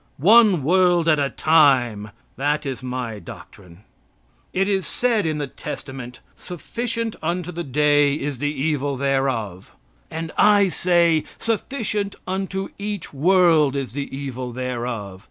One world at a time that is my doctrine. It is said in the Testament, "Sufficient unto the day is the evil thereof" and I say, sufficient unto each world is the evil thereof.